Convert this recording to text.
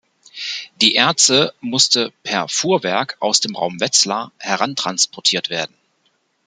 Die Erze musste per Fuhrwerk aus dem Raum Wetzlar herantransportiert werden.